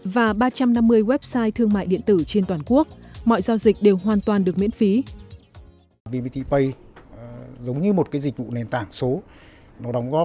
và ba trăm năm mươi điểm chấp nhận